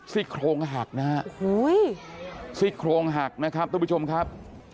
ซี่โครงหักนะฮะซี่โครงหักนะครับทุกผู้ชมครับ